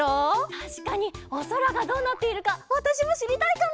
たしかにおそらがどうなっているかわたしもしりたいかも！